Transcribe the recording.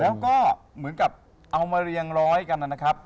แล้วก็เหมือนกับเอามาเรียงร้อยกันนะครับ